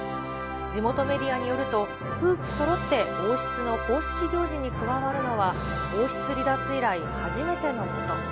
地元メディアによると、夫婦そろって王室の公式行事に加わるのは、王室離脱以来初めてのこと。